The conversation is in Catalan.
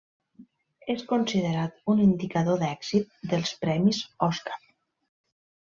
És considerat un indicador d'èxit dels premis Oscar.